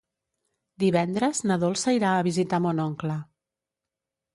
Divendres na Dolça irà a visitar mon oncle.